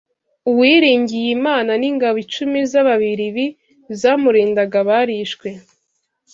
Uwilingiyimana n’ingabo icumi z’Ababilibi zamurindaga barishwe